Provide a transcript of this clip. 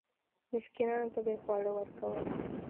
مسکینانو ته به یې خواړه ورکول.